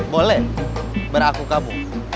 boleh beraku kamu